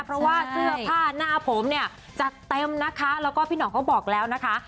เพราะว่าเสื้อผ้าหน้าผมจะเต็มนะคะแล้วก็พี่หนอบอกแล้วนะคะ